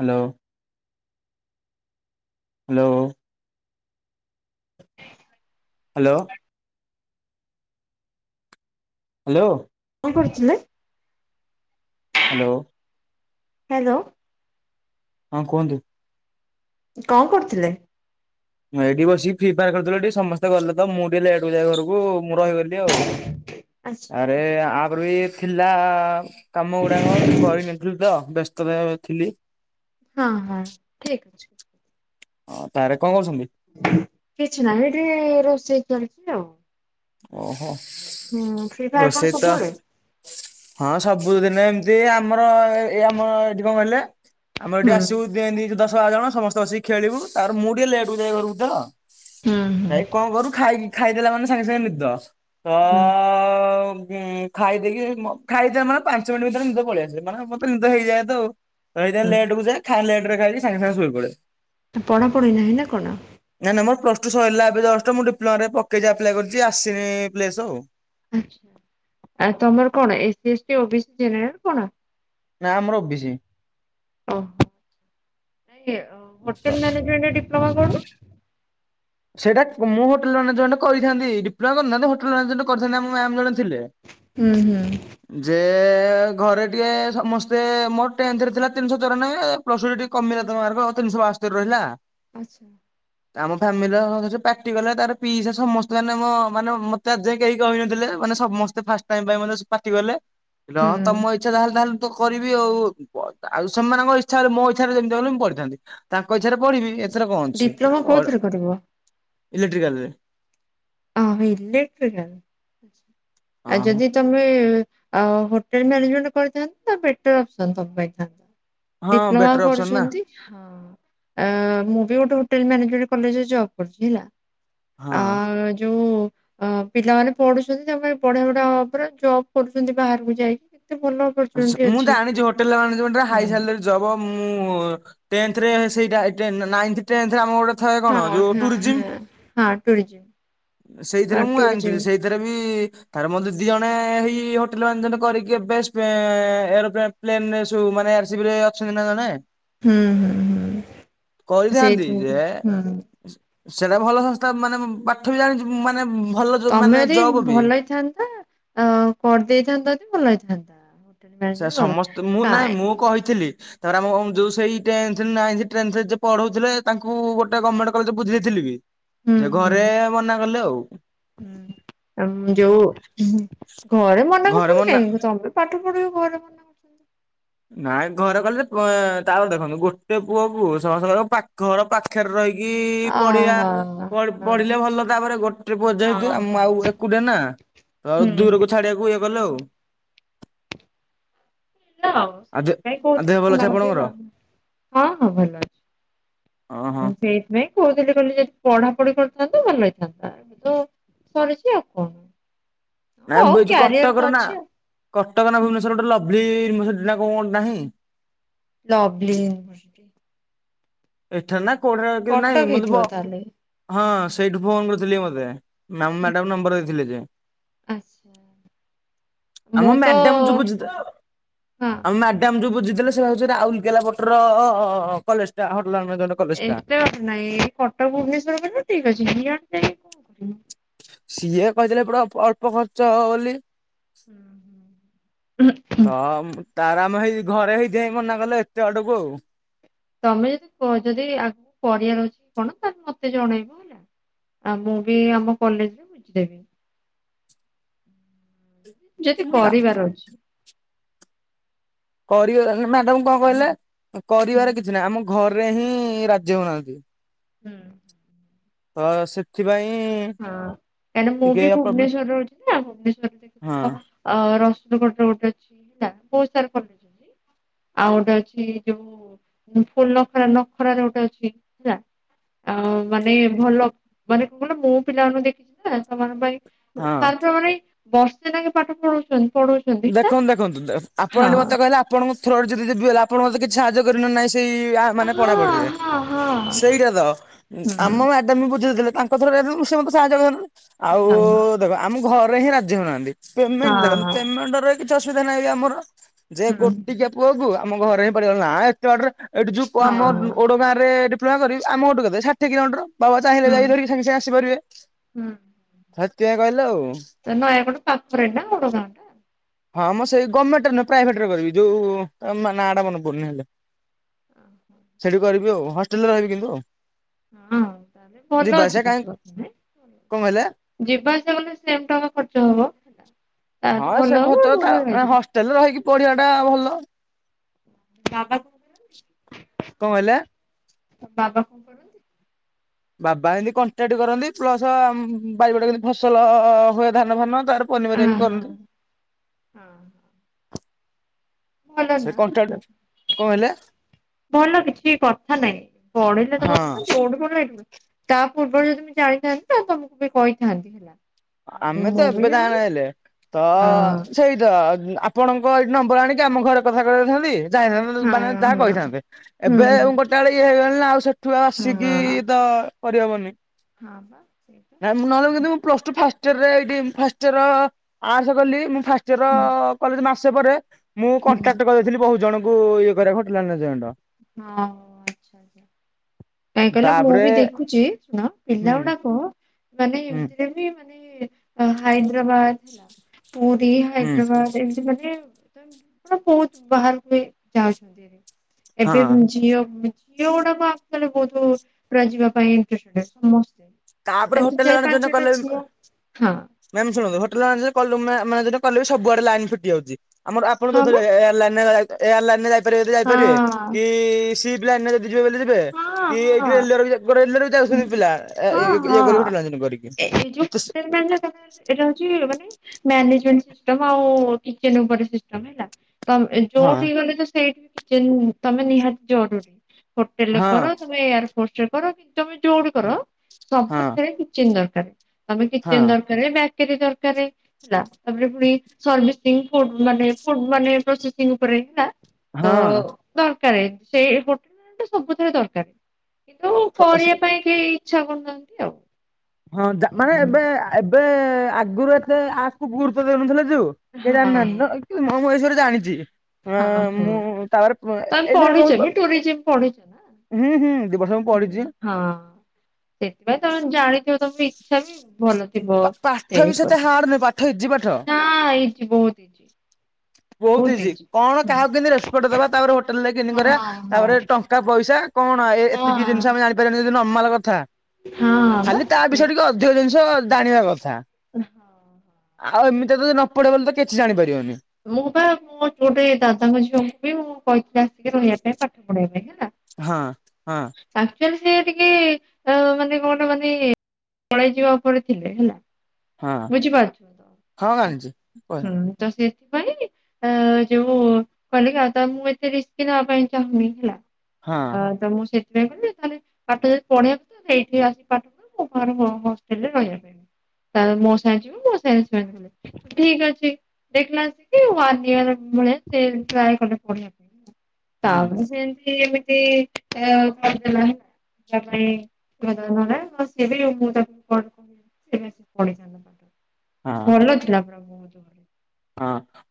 Hello. Hello. Hello. Hello. କଣ କରୁଚୂନା hello. Hello. ହଁ କୁହନ୍ତୁ। କଣ କରୁଥିଲେ? ଏଇଠି ବସିକ ଫି ଫାୟାର ଖେୁଥିଲ ଟିକି ସମସ୍ତେ ଗଲେ ତ ମୁଁ ଟିକେ ଲ ଏକୁ ଯାଏ ଘରକୁ ମୁଁ ରହିଗଲି ଆଉ ଆଚ୍ଛା ଆରେ ଆପର ଏ ଥିଲା କାମ ଗୁଡାକ କରିନଥିଲୁ ତ ବ୍ୟସ୍ତ ଥିଲି। ହଁ ହଁ ଠିକ ଅଛି। ସାର୍ କଣ କରୁଛନ୍ତି? କିଛି ନାହିଁ ଏଠି ରୋଷେଇ ଚାଲିଛି ଆଉ। ଓହୋ ହୁଁ ଫ୍ରି ଫାୟାର କଣ ରଷେଇତା ସବୁବେଳେ ହଁ ସବୁ ଦିନ ଏମିତି ଆମର ଏଇ ଆମ ଏଠି କଣ କହିଲେ ଆମର ଏଠି ହୁଁ। ଆସିବୁି ଦଶ ବାର ଜଣ ସମସ୍ତେ ବସି ଖେଳିବୁ ତାରେ ମୁଁ ଟିକେ ଲେଟକୁ ଯାଏ ଘରକୁ ତ ହୁଁ ହୁଁ। ଭାଇ କଣ କରୁ ଖାଇକି ଖାଇଦେଲେ ମାନେ ସାଙ୍ଗେ ସାଙ୍ଗେ ନିଦ। ତ ହୁଁ [unintelligible] ଖାଇ ଦେଇେଇକି ଖାଇଡେମ ମାନେ ପାଞ୍ଚ ମିନିଟ୍ ଭିତରେ ନିଦ ପଳେଇଆସେ ମାନେ ମତେ ନିଦ ହେଇଯାଏ ତ ଆଉ। ତ ଏଇଥି ପାଇଁ ଲେଟ ହୁଁ କୁ ଯାଏ ଖାଇ ଲେଟ ରେ ଖାଇ ସାଙ୍ଗେ ସାଙ୍ଗେ ଶୋଇ ପଡେ। ପଢା ପଢି ନାହିଁ ନା କଣ? ନାଇଁ ନାଇଁ ମୋର ପ୍ଲସ୍ଟୁ ସରିଲା ଏବେ ଜଷ୍ଟ ମୁଁ ଡିପ୍ଲୋମାରେ ପକେଇଛି ଆପ୍ଳାଏ କରିଛି ଆସିନି ପ୍ଲେସ୍ ଆଉ। ଆଛା ଆ ତମର କଣ SC ST, O B C, general କଣ? ନା ଆମର ଓ ବି ଶି। ଓହୋ ତ ହୋଟେଲ ମ୍ୟାନେଜମେଣ୍ଟ ଡିପ୍ଲୋମା କଣ? ସେଇଟାଁ ହୋଟେଲ ମାନଜେଣ୍ଟ କରିଥାନ୍ତି ଡିପ୍ଲୋମା କରିନଥାନ୍ତି ହୋଟେଲ ମାନେଜେଣ୍ଟ କରିଥାନ୍ତି ଆ ମ୍ୟାମ ଜଣ ଥିଲେ। ହୁଁ ହୁଁ। ଯେ ଘରେ ଟିକେ ସମସ୍ତେ ମୋର ଟେନ୍ତ ରେ ଥିଲା ତିନିଶହ ଚଉରାନବେ। ପ୍ଲସ୍ଟୁ ରେ କମିଲା ତ ମାର୍କ ତିନିଶହ ବାସ୍ତରି ରହିଲା। ଆଚ୍ଛା। ଆମ ଫାମିଲି ପାଟିକଲ ତାର ପିସ ସମସ୍ତେ ମାନେ ମୋ ମାନେ ମତେ ଆ ଯାଇ କେହି କହିନଥିଲେ ମାନେ ସମସ୍ତେ ଫାଷ୍ଟ ଫାଷ୍ଟ ଟାଇମ ପାଇଁ ପାଟି ଗଲେ ରହ ହୁଁ ତମ ଇଛା ତାହେଲେ ତାହେଲେ ତ କରିବି ଆଉ ଆଉ ସେମାନଙ୍କ ଇଚ୍ଛା ରେ ମୋ ଇଛାରେ ଯେମିତିହେଲେ ମୁଁ ପଢିଥାନ୍ତି। ତାଙ୍କ ଇଛାରେ ପଢିବି ଏଥର କଣ ଅଛି ଡିପ୍ଲୋମା କୋଉଥିରେ କରିବ? ଇଲେକ୍ଟ୍ରିକାଲରେ। ଅ ଇଲେକ୍ଟ୍ରିକାଲ ହଁ ଆଉ ହଁ। ଯଦି ତମେ ହୋଟେଲ ମାନେଜମେଣ୍ଟ କରିଥାନ୍ତ ତ ବେଟର ଅପସନ୍ ତମେ ପାଇଥାନ୍ତ। ହଁ ଡିପ୍ଲୋମା ବେଟର ଅପସନ ନା କରୁଛନ୍ତି। ହଁ ଆଁ ମୁଁ ବି ଗୋଟେ ହୋଟେଲ ମାନେଜମେଣ୍ଟ କଲେଜରେ ଜବ କରୁଛି ହେଲା। ହଁ। ଆ ଯୋଉ। ଅ ପିଲାମାନେ ପଢୁଛନ୍ତି ତାପରେ ପଢା ଫଢା ଅଫ ରେ ଜବ୍ କରୁଛନ୍ତି ବାହାରକୁ ଯାଇକି ଏତେ ଭଲ ରେ ଅପରଚୁନିଟି ମୁଁ ଅଛି ଜାଣିଛି ହୋଟେଲ ମାନେଜମେଣ୍ଟରେ ହୁଁ ହାଇ ସାଲେରୀ ଜବ ମୁଁ ଆ ଟେନ୍ଥରେ ସେଇଟା ଏଇଟା ନାଇନ୍ଥ ଟେନ୍ଥରେ ଆମକୁ ଗୋଟେ ଥାଏ ହଁ କଣ ଯୋଉ ହଁ ଟୁରିଯିମ୍ ହଁ। ହଁ ଟୁରିଜିମ୍ ସେଇଥିରେ ହଁ ମୁଁ ଆଣିଥିଲି ଟୁରିଜିମ୍ ସେଇଥ୍ ସେଥିରେ ବି ତାପରେ ମୋ ଦିଦି ଜଣେ ହେଇ ହୋଟେଲ ମ୍ୟାନେଜମେଣ୍ଟ କରିକି ଏବେ ସ୍ ଏନଁ ଏନଁ ଏରୋପ୍ଲେନ ପ୍ଲେନ୍ ସବୁ ମାନେର ରସିବି ରେ ଅଛନ୍ତି ନା ଜଣେ। ହୁଁ ହୁଁ ହୁଁ କରିଥାନ୍ତି ସେଇଥି ଯେ ପାଇଁ ହୁଁ। ସେଇଟା ଭଲ ସଂସ୍ଥା ମାନେ ପାଠ ବି ଜାଣିଛି ମାନେ ଭଲ ଯ ମାନେ ତମେ ଯଦି ଜବ ବି। ଭଲ ହେଇଥାନ୍ତା ଆ କରିଦେଇଥାନ୍ତ ଭଲ ହେଇଥାନ୍ତା। ସେ ମ୍ୟାନେଜମେଣ୍ଟ ଭଲ ସମସ୍ତେ ମୁଁ ନାଇଁ କାଇଁ ମୁଁ କହିଥିଲି। ତାପରେ ଆମ ହୋମ୍ ଯୋଉ ସେଇ ଟେନ୍ଥ ନାଇନ୍ଥ ଟେନ୍ଥ ରେ ଯିଏ ପଢଉଥିଲେ ତାଙ୍କୁ ଗୋଟେ ଗଭର୍ଣ୍ଣମେଣ୍ଟ କଲେଜ ବୁଝିଦେଇଥିଲି ବି। ହୁଁ ସେ ହୁଁ ଘରେ ମନା କଲେ ଆଉ। ହୁଁ ଯୋଉ ଘରେ ମନା କରୁଛନ୍ତି କାହିଁକି ସ ତମେ ପାଠ ପଧୁଚ ଭଲ। ନାଇଁ ଘରେ କହିଲେଯେ ଆଁ ତାପରେ ଦେଖନ୍ତୁ ଗୋଟେ ପୁଅ କୁ ସମସ୍ତଙ୍କ ପାଖ ଘର ପା ପାଖରେ ରହିକି ପଢିବା। ଓହୋ ହଁ ପଢ଼ ପଢିଲେ ଭଲ ତାପରେ ଗୋଟେ ପୁଅ ହଁ ଯେହେତୁ ହୁଁ। ଆଉ ମୁଁ ଆଉ ଏକୁଟିଆ ନା ତ ଆଉ ହୁଁ। ଦୂରକୁ ଛାଡିବାକୁ ଇଏ କଲେ ଆଉ। ହଉ ଆଉ [unintelligible] ଦେ ଆଉ ଦେହ ଭଲ ଅଛି ଆପଣଙ୍କର? ହଁ ହଁ ଭଲ ଅଛି। ଓହୋ ଆଉ ସେଇଥିପାଇଁ କହୁଥିଲି କହିଲିଯେ ଯଦି ପଢାପଢି କରିଥାନ୍ତୁ ଭଲ ହେଇଥାନ୍ତା କିନ୍ତୁ ପଢ଼ୁଛି ଆଉ କଣ। ନାଇଁ ହଉ ଏଇଯୋଉ କ୍ୟାରିୟର ତ କଟକର ନା ଅଛି ଆଉ କଟକ ନା ଭୁବନେଶ୍ୱର ଗୋଟେ ଲଭଲି ୟୁନିଭ୍ରସିଟି ନା କଣ ଗୋଟେ ନାହିଁ। ଲାଭଲି। ଏଠାରେ ନା କୋଉଠି କି କଟକ ନାଇଁ ମତ ହେଇଥିବ ବ ତାହେଲେ ହଁ ସେଇଠୁ ଫୋନ କରିଥିଲି ମତେ ମ୍ୟାମ ମ୍ୟାଡାମ ନମ୍ବର ଦେଇଥିଲେ ଯେ। ଆଚ୍ଛା ମୁଁ ଆମ ତ ମ୍ୟାଡମ ହଁ [inaudible] ଆମ ହଁ ମ୍ୟାଡାମ୍ ଯୋଉ ବୁଝିଥିଲେ ସେଟା ହଉଚି ରାଉଲକେଲା ପଟର କଲେଜଟା [unintelligible] ଏତେ କଥା ନାଇଁ ଏଇ କଟକ ଭୁବନେଶ୍ୱର ପର୍ଯ୍ୟନ୍ତ ଠିକ ଅଛି [unintelligible] ସିଏ କହିଥିଲେ ପୁରା ଅଳ୍ପ ଖର୍ଚ୍ଚ ହବ ବୋଲି। ହୁଁ ତ ତାର ଆମେ ହେଇ ଘରେ ହେଇଥିପଇଁ ମନା କଲେ ଏତେ ବାଟକୁ ଆଉ। ତମେ ଯଦି ଯଦି ଆଗକୁ କରିବାର ଅଛି କଣ ତାହେଲେ ମତେ ଜଣେଇବ। ହେଲା ଆଉ ମୁଁ ବି ଆମ କଲେଜରେ ବୁଝିଦେବି। ଯଦି କରିବାର ଅଛି। କରିବେ ମ୍ୟାଡାମ୍ କଣ କହିଲେ ହୁଁ କରିବାରେ କିଛି ନାହିଁ, ଆମ ଘରେ ହିଁ ରାଜି ହଉନାହାନ୍ତି। ହୁଁ। ତ ସେଥିପାଇଁ ହଁ କାହିଁକିନା ମୁଁ ଟିକେ ବି ପ୍ରୋବ୍ଲେମ ଭୁବନେଶ୍ଵରରେ ରହୁଛି ନା, ଭୁବନେଶ୍ଵରରେ ହଁ [unintelligible] ଅ ରସୁଲଗଡରେ ଗୋଟେ ଅଛି ନା ବହୁତ୍ ସାରା କଲେଜ୍ ଆଉ ଗୋଟେ ଅଛି ଯୋଉ ଫୁଲ୍ ନଖରା ନଖରାରେ ଗୋଟେ ଅଛି ହେଲା। ଆଉ ମାନେ ଭଲ ମାନେ କନା ମୁଁ ପିଲାମାନଙ୍କୁ ଦେଖିଛି ନା ସେମାନଙ୍କ ପାଇଁ ହଁ ସାର୍ ପୁରା ମାନେ ବର୍ଷେ ଲାଗେ ପାଠ ପଢଉଛନ୍ତି ପଢଉ ଦେଖନ୍ତୁ-ଦେଖନ୍ତୁ ଆପଣ ଏଠି ମୋତେ କହିଲେ ଆପଣଙ୍କ ଥ୍ରୋରେ ଯଦି ଯିବି ଗଲେ ଆପଣ ମତେ କିଛି ସାହାଯ୍ୟ କରିବେ ନା ନାଇଁ? ଏମତି ଆ ମାନେ ପଢାପଢିରେ ହଁ ହଁ ହଁ। ସେଇଟା ତ ହୁଁ। ଆମ ମ୍ୟା ଡ଼ାମ୍ ବୁଝିଦେଇଥିଲେ ତାଙ୍କ ଥ୍ରୋ ରେ ସେ ମୋତେ ସାହାଯ୍ୟ କରିଥାନ୍ତେ, ଆଉ ହଁ। ଦେଖ ଆମ ଘରେ ହିଁ ରାଜି ହଉନାହାନ୍ତି। ପେମେଣ୍ଟ ଦେଖନ୍ତୁ ହଁ। ପେମେଣ୍ଟର କିଛି ଅସୁବିଧା ନାହିଁ ଆମର ଯେ ହୁଁ ଗୋଟିକିଆ ପୁଅକୁ ଆମ ଘରେ ହିଁ ପାଟିକଲେ ନା ଏତେ ବାଟରେ ଏଠି ଯୋଉ ଆମ ହଁ। ଓଡଗାଁରେ [unintelligible] କରି ଆମ ଘରଠୁ କେତେ ଷାଠୀଏ କିଲୋମଟର ବାବା ଚାହିଁଲେ ହୁଁ ଯାଇକି ଧରିକି ସାଙ୍ଗେ-ସାଙ୍ଗେ ଆସିପାରିବେ, ହୁଁ ସେଥିପାଇଁ କହିଲେ ଆଉ। ତ ନୟାଗଡ଼ ପାଖରେ ଏଇଟା ଓଡ଼ଗାଁ ଟା। ହଁ ମୁଁ ସେଇ ଗମେଟ ରେ ନୁହଁ ପ୍ରଇଭେଟରେ କରିବି, ଯୋଉ ନା ଟା ମନେପଡୁନି ହେଲେ। ଓହୋ [inaudible] ସେଠିି କରିବି ଆଉ, ହଷ୍ଟେଲରେ ରହିବି କିନ୍ତୁ ଆଉ। ହଁ ଭଲ ଯିବା ଆସିବା ଅଛି କାହିଁ କିଛି କଥା ନାଇଁ। କଣ କହିଲେ? ଯିବା ଆସିବା କଲେ ସେମ୍ ଟଙ୍କା ଖର୍ଚ୍ଚ ହବ? ତାଠୁ ହଁ ଭଲ ସେ ଖର୍ଚ୍ଚ ହବ ରୁମରେ ତା ରହିଯିବା। ହଷ୍ଟେଲରେ ରହିକି ପଢିବା ଟା ଭଲ। ବାବା [unintelligible] କଣ ହେଲା? ବାବା କଣ କରନ୍ତି [inaudible] ବାବା ଏମିତି କଣ୍ଟ୍ରାକ୍ଟ କରନ୍ତି ପ୍ଲସ ବାରିପଟ କେମିତି ଫସଲ ହୁଏ ଧାନ ଫାନ ତାରେ ପନିପରିବା ବି ଆହା କରନ୍ତି। ହଁ। ଭଲ ସେ ନା ଝିଅ କନ୍ଟ୍ରାକ୍ଟ, କଣ ହେଲା? ଭଲ କିଛି କଥା ନାଇଁ ପଢିଲେ ତ ହଁ ଭଲ ଯୋଉଠି ପଢ଼ିବ [unintelligible] ତା ପୂର୍ବରୁ ଯଦି ମୁ ଜାଣିଥାନ୍ତି, ତ ତମକୁ ବି କହିଥାନ୍ତି। ଆଉ ଆମେ ମୁଁ ତ ବି ଏବେ ଜାଣିନି ଜାଣେଲେ ତ ହଁ ସେଇ ତ ଆପଣଙ୍କ ଏଇଠି ନମ୍ବର ଆଣିକି ଆମ ଘରେ କଥା କଦେଇଥାନ୍ତି। ଯାଇଥାନ୍ତେ ହଁ ମାନେ ଯାହା ହଁ କହିଥାନ୍ତେ, ହୁଁ ଏବେ ଗୋଟେ ଆଡେ ଇଏ ହେଇଗଲିଣି ନା ଆଉ ସେ ସେଠୁ ଆଉ ଆସିକି ହଁ। ତ କରିହବନି, ହଁ ବା ସେଇଟା ନାଇଁ ମୁଁ ନହେଲେ ମୁଁ ଯଦି ପ୍ଲସଟୁ ଫାଷ୍ଟ ଇୟର ଏଇଠି ଫାଷ୍ଟ ଇୟର ଆର୍ଟସ କଲି, ମୁଁ ଫାଷ୍ଟ ଇୟର ହୁଁ କଲେଜ୍ ମାସେ ପରେ ମୁଁ ହୁଁ କଣ୍ଟାକ୍ଟ କରିଦେଇଥିଲି ବହୁତ ଜଣଙ୍କୁ ଇଏ କରିବାକୁ ହୋଟିଲ୍ ମାନେଜମେଣ୍ଟ। ହଁ ଆଚ୍ଛା। କାହିଁ କହିଲା ମୁଁ ତାପରେ ବି ଦେଖୁଛି ଶୁଣ ହୁଁ ପିଲାଗୁଡାକ ମାନେ ହୁଁ ଏମିତିରେ ମାନେ ହାଇଦ୍ରାବାଦ, ପୁରୀ, ହୁଁ ହାଇଦ୍ରାବାଦ ଏମିତି ମାନେ ବହୁତ୍ ବାହାରକୁ ଯାଉଛନ୍ତି, ଏବେ ହଁ ଝିଅ ଝିଅ ଗୁଡାକ [unintelligible] ବହୁତୁ ପୁରା ଯିବା ପାଇଁ ଇନ୍ତ୍ରେଷ୍ଟେଡ ସମସ୍ତେ। ତାପରେ ଏ ଦି ହୋଟେଲ ଚାରି ମାନେଜ ପାଞ୍ଚଟା କଲେ ଝିଅ ହଁ ବ [unintelligible] ଶୁଣନ୍ତୁ ହୋଟେଲ ମାନେ କଲୁ ମେ ମ କଲେ ବି ସବୁଆଡେ ଲାଇନ ଫୁଟି ଯାଉଛି। ଆମର ଆପଣ ଯୋଉ ହଁ ଥିରେ ବା ଏ ଏୟାର ଲାଇନ୍ ରେ ଯା ଏୟାର ଲାଇନ ରେ ଯାଇପାରିବେ ଯଦି ଯାଇପାରିବେ। କି ହଁ ସି ପିଲା [unintelligible] ଯଦି ଯିବେ ହଁ କି ହଁ [unintelligible] ବି ଯାଉଛନ୍ତି ପିଲା। ହଁ ଏ ଏ କରିବ ହଁ [unintelligible] କରିକି। ଏଇ [unintelligible] ଏଇଟା ହଉଛି ମାନେ ମ୍ୟାନେଜମେଣ୍ଟ ସିଷ୍ଟମ୍ ଆଉ କିଚେନ ଉପରେ ସିଷ୍ଟମ୍ ହେଲା। ତମ୍ ହଁ ଯୋଉଠି ଗଲେ ତ ସେଇଠି ବି କିଚେନ ତମେ ନିହାତି ଜରୁରୀ। ଟେଲରେ ହଁ। କର ତମେ ଏୟାର ଫୋର୍ସ ରେ କର କିନ୍ତୁ ତମେ ଯୋଉଠି କର ହଁ ସବୁଥିରେ ଚୀନ୍ ଦରକାର ତମେ ହଁ କିଚେନ ଦରକାରେ ବ୍ୟାକରି ଦରକାରେ। ଲା ତାପରେ ପୁଣି ସର୍ଭିସିଙ୍ଗ ଫୁଡ୍ ମାନେ ଫୁ ମାନେ ପ୍ରୋସେସିଙ୍ଗ ଉପରେ ହେଲା ତ ହଁ ଦରକାରେ ସେଇପ ସବୁଥିରେ ଦରକାର କିନ୍ତୁ, ସ ସ କରିବା ପାଇଁ କେହି ଇଚ୍ଛା କରୁନାହାନ୍ତି ଆଉ। ହଁ, ଯା ମାନେ ଏବେ ଆ ଏବେ ଆଗରୁ ଏତେ ଆକୁ ଗୁରୁତ ଦେଉନଥିଲେ ଯଉ। କେ ହଁ ଜାଣିନାହାନ୍ତି ନ ମ [unintelligible] ଜାଣିଛି। ହଁ, ମୁଁ ତାପରେ ଉ ଏ ତମେ ଏଥିରେ ବି ପଢିଛ ବ ଟୁରିଜିମ୍ ପଢିଛ ନା? ହୁଁ, ହୁଁ, ଦି ବର୍ଷ ମୁଁ ହୁଁ ପଢିଛି। ହଁ, ସେଥିପାଇଁ ତମେ ଜାଣିଥିବ ତମେ ଇଚ୍ଛା ବି ଭଲ ଥିବ। ପାଠ ବି ସେତେ ହାର୍ଡ ନୁହେଁ ପାଠ ଇଜି ପାଠ। ହଁ ଇଜି ବହୁତ ଇଜ ବହୁତ ଇଜି କଣ ହୁଁ କାହାକୁ କେନ୍ତି ରେସ୍ପେକ୍ଟ ଦବା ତାପରେ ହୋଟେଲରେ କିନ୍ତି କରିବା ହଁ ହଁ ତାପରେ ଟଙ୍କା, ପଇସା। କଣ ଏ ଏତିକି ଜିନିଷ ଆମେ ହଁ ଜାଣିପାରିପାରିବା ଯଦି ନମାଲ କଥା ହଁ ବା ଖାଲି ତା ସେ ବିଷୟରେ ଟିକେ ଅ ଧିକ ଜିନିଷ ଜାଣିବା କଥା। ହଁ ହଁ। ଆଉ ଏମିତିରେ ତ ନ ପଢିବ ବୋଲି ତ କିଛି ଜାଣିପାରିବନି। ମୁଁ ପା ମୋ ଗୋଟେ ଦାଦାଙ୍କ ଝିଅଙ୍କୁ ବି ମୁଁ କହିଥିଲି ଆସିକି ରହିବା ପାଇଁ ପାଠ ପଢେଇବା ପାଇଁ ହେଲା। ହଁ ହଁ। ଆକ୍ଚୁଆଲି ସି ଟିକେ ଅ ମାନେ କଣ ମାନେ ପଳେଇ ଯିବା ଉପରେ ଥିଲେ ହେଲା। ହଁ ହଁ ବୁଝିପାରୁଛ ଜାଣିଛି ହଁ ହୁଁ ତ ସେ ସେଥିପାଇଁ ଅ ଯୋଉ କହିଲେ କି ଆଉ ତ ମୁଁ ଏତେ ରିସ୍କି ନବା ପାଇଁ ଚାହୁଁନି ହେଲା। ଅ [unintelligible] ମୁଁ ସେଠ [unintelligible] ତାହାଲେ ପାଠ ଯଦି ପଢେଇବାକୁ [unintelligible] ଏଇଠି ଆସି ପାଠପଢ ମୁଁ ପାଖରେ ଉ ଉ ହଷ୍ଟେଲରେ ରହିବା ପାଇଁ। ତାହାଲେ ମୋ ସାଙ୍ଗେ ଯିବୁ ମୋ ସାଙ୍ଗ [unintelligible] ଠିକ ଅଛି ଦେଖିଲା [unintelligible] ୱାନ ଇୟର ଭଳିଆ ସେ ଟ୍ରାଏ କଲେ ପଢିବା ପାଇଁ। ହୁଁ ତାପରେ ସେ ଏମତି ଏମିତି ଅ କରିଦେଲା। ତା ପାଇଁ [unintelligible] ସେ ବି ମୁଁ ତାକୁ [unintelligible] ଥାନ୍ତା। ହଁ ଭଲ ଥିଲା ପୁରା ବହୁତ ଭଲ। ହଁ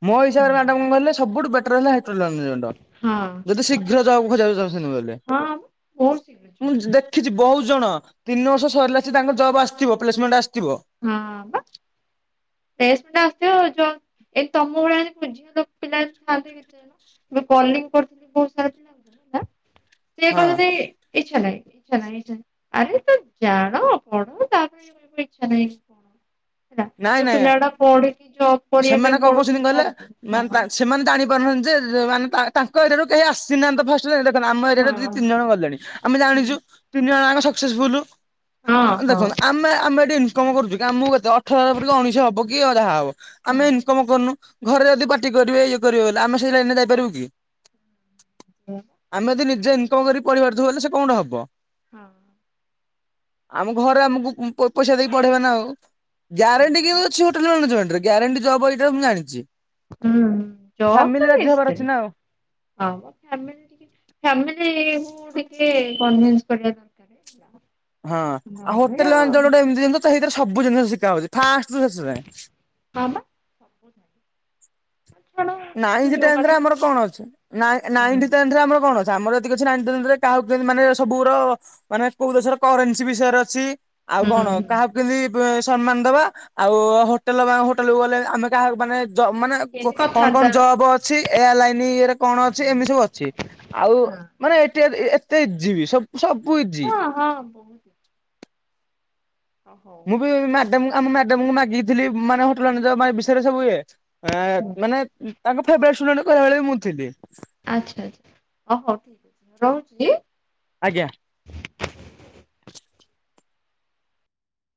ମୋ ହିସାବରେ ହୁଁ। ମ୍ୟାଡମ କଣ କହିଲେ ସବୁଠୁ ବେଟର ହେଲା [unintelligible] ହଁ [unintelligible] ଯଦି ହଁ ଶୀଘ୍ର ଯବ ଖୋଜିବାକୁ ଚାହୁଁଛନ୍ତି ବୋଲେ, ହଁ ବହୁତ ଶୀଘ୍ର ଜବ୍ ମୁ ଜ ମିଳିବ ଦେଖ ଖିଛି ବହୁତ ଜଣ ତିନି ବର୍ଷ ସରିଲା ଆସି ତାଙ୍କ ଜବ ଆସିିଥିବ ପ୍ଲେସମେଣ୍ଟ ଆସିଥିବ। ହଁ ପା ପ୍ଲେସମେଣ୍ଟ ଆସିଥିବ ଜ ଏ ତମ ଭଳିଆ [unintelligible] ଝିଅ ପିଲା ଥାନ୍ତି [unintelligible] ଏବେ କଲିଂ କରିୁଥିଲି ବହୁତ ସାରା ପିଲାଙ୍କୁ ନା ସେ ହଁ କହୁଛନ୍ତି ଇଚ୍ଛା ନାହିଁ ଇଚ୍ଛା ନାହିଁ ଇଚ୍ଛା ନାହିଁ ଆରେ ତ ଜାଣ ପଢ ତାପରେ ଛା ନାଇ କ ଲା ନାଇଁ ଯୋଉ ନାଇଁ ପିଲାଗୁଡା ପଢିକି ଜବ କରିବା ସେମାନେ ପାଇଁ କଣ କହୁଛନ୍ତି ପଳଉଛନ୍ତି କହିଲେ ବାହାରକୁ ମାନେ ହଁ ସେମାନେ ଜାଣି ପାରୁନାହାନ୍ତି ଯେ ଜ ମାନେ ତା ତାଙ୍କ ଏରିଆରୁ କେହି ଆସିନାହାନ୍ତି ତ ଫାଷ୍ଟ [unintelligible] ଆମ ଏରିଆରେ ଦି ହଁ ତିନି ଜଣ ଗଲେଣି, ଆମେ ହୁଁ। ଜାଣିଚୁ ତିନିଜଣ ଯାକ ସକ୍ସେସଫୁଲୁ। ଆ ହଁ ହଁ ଦେଖନ୍ତୁ ଆମେ ଆମେ ଏଠି ଇନକମ କରୁଛୁ କି ଆମକୁ କେତେ ଅଠର ହଜାର ପୂରିକି ଉଣେଇଶି ହବ କି ଯାହା ହବ। ଆମେ ହଁ ଇନକମ କରୁନୁ ଘରେ ଯଦି ପାଟି କରିବେ ଇଏ କରିବେ ବୋଲେ ଆମେ ସେଇ ଲାଇନରେ ଯାଇପାରିବୁ କି? ଆମେ ଯଦି ନିଜେ ଇନକମ କରି ପଢିପାରୁଥିବୁ ବୋଲେ ସେ କଣ [unintelligible] ହବ। ହଁ। ଆମ ଘରେ ଆମକୁ ଉ ପଇସା ଦେଇକି ପଢେଇବେ ନା ଆଉ ଗ୍ୟାରେଣ୍ଟି [unintelligible] କିଛି ହୋଟେଲ୍ ମାନେଜମେଣ୍ଟରେ, ଗ୍ୟାରେଣ୍ଟି ଜବ୍ ଏଇଟା ମୁଁ ଜାଣିଛି। ହୁଁ, ଜବ ଫ୍ୟାମିଲି ତ ରାଜି ହବାର ନିଶ୍ଚୟ! ଅଛି ନା ଆଉ ହଁ ଆମେ [inaudible] ଫ୍ୟାମିଲି ମୁଁ ଟିକେ କନ୍ ଭିନ୍ସ କରିବା ହେଲା। ହଁ, ଆଉ ନହେଲେ ହୋଟେଲ ମ୍ୟାନେଜମେଣ୍ଟ ହଁ ଗୋଟେ ଏମତି ଜିନିଷ ତ ସେଇଥିରେ ସବୁ ଜିନିଷ ଶିଖା ହଉଛି, ଫାଷ୍ଟ ରୁ ଶେଷ ଯାଏଁ। ହଁ, ବା। ଆଡୁ। ନାଇଁଥି ଟେନଥ୍ ରେ ଆମର କଣ ଅଛି, ନା ହୁଁ ନାଇଁଥି ଟେନଥ୍ ଆମର କଣ ଅଛି? ଆମର ଏତିିକି ଅଛି ନାଇଁ ଥ୍ ଟେନଥ୍ ରେ କାହାକୁ କେମତି ମାନେ ସବୁର ମାନେ, କୋଉ ଦେଶର କରେନ୍ସି ବିଷୟରେ ଅଛି। ଆଉ କଣ ହୁଁ କାହାକୁ କିଁତି ବି ସମ୍ମାନ ଦବା, ଆଉ ହୋଟେଲ ବା ହୋଟେଲକୁ ଗଲେ, ଆମେ କାହାକୁ ମାନେ ଜବ୍ ମାନେ କେମିତି କୋ କଣ କଣ କଥାବାର୍ତ୍ତା ଜବ୍ ଅଛି? ଏୟାର ଲାଇନ ଇଏରେ କଣ ଅଛି? ଏମିତି ସବୁ ଅଛି। ଆଉ ହୁଁ ମାନେ ଏଠି ଏ-ଏତେ ଇଜି ସବୁ ସବୁ ଇଜ୍ ହଁ, ହଁ, ହଁ। ହଉ ମୁଁ ବି ମ୍ୟାଡମ୍ କୁ ଆମ ମ୍ୟାଡମ୍ କୁ ମାଗିଥିଲି ମାନେ ହୋଟେଲ ମ୍ୟାନଜେ ପାଇଁ ବିଷୟରେ ସବୁ ଇଏ। ଏଁ ମାନେ ତାଙ୍କ ଫେବେରେଟ୍ ଷ୍ଟୁଡେଣ୍ଟ କହିବାକୁ ଗଲେ, ମୁଁ ଥିଲି। ଆଚ୍ଛା ଆଚ୍ଛା, ଓ ହଉ ଠିକ୍ ଅଛି। ରହୁଛି। ଆଜ୍ଞା।